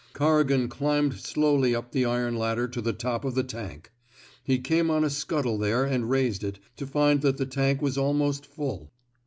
Corrigan climbed slowly up the iron ladder to the top of the tank. He came on a scuttle there and raised it, to find that the tank was almost full.